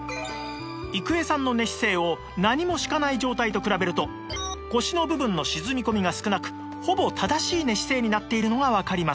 郁恵さんの寝姿勢を何も敷かない状態と比べると腰の部分の沈み込みが少なくほぼ正しい寝姿勢になっているのがわかります